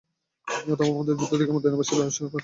তবে আমাদের যুদ্ধ থেকে মদীনাবাসীরা অবশ্যই ফায়দা লুটবে।